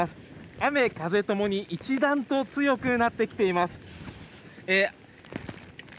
雨、風ともに一段と強くなってきています。